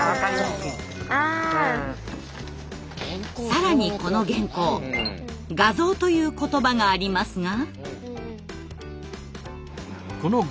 更にこの原稿「画像」という言葉がありますが。